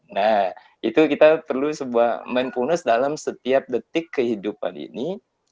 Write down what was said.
nah itu kita perlu sebuah mindfulness dalam setiap detik kehidupan ini